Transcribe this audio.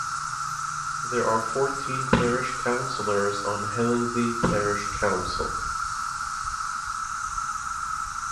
There are fourteen parish councillors on Hellingly Parish Council.